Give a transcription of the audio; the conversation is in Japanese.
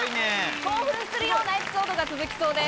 興奮するようなエピソードが届きそうです。